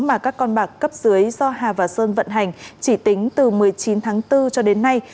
mà các con bạc cấp dưới do hà và sơn vận hành chỉ tính từ một mươi chín tháng bốn cho đến nay